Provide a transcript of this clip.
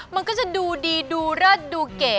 มันก็จะดูดีดูเลิศดูเก๋